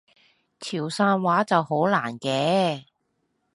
潮汕話就好難嘅